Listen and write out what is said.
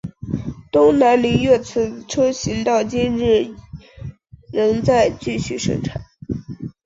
东南菱悦此车型到今日仍在继续生产。